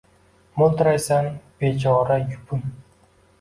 Moʼltiraysan – bechora, yupun